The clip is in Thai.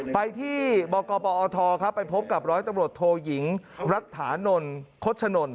ไปที่บกบอทไปพบกับรตโทหหญิงรัฐานนท์คช